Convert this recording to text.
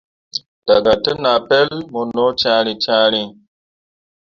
Daga te nah pel mu no cyãhrii cyãhrii.